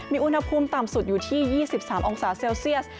มีอุณหภูมิต่ำสุดอยู่ที่๒๓องศาเซลเซียส